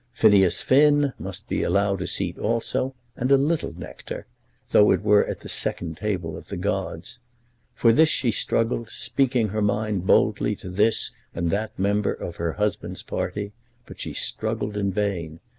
Phineas Finn must be allowed a seat also, and a little nectar, though it were at the second table of the gods. For this she struggled, speaking her mind boldly to this and that member of her husband's party, but she struggled in vain.